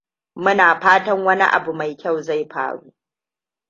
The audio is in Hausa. Muna fatan wani abu mai kyau zai faru.